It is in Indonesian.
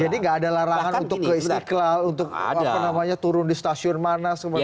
jadi tidak ada larangan untuk ke istiqlal turun di stasiun mana seperti itu